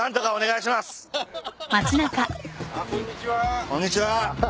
こんにちは。